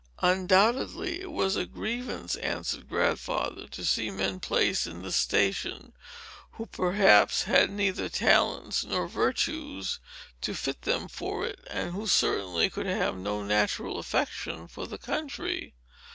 "Undoubtedly it was a grievance," answered Grandfather, "to see men placed in this station, who perhaps had neither talents nor virtues to fit them for it, and who certainly could have no natural affection for the country.